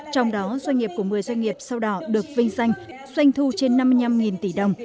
trong đó doanh nghiệp của một mươi doanh nghiệp sao đỏ được vinh danh doanh thu trên năm mươi năm tỷ đồng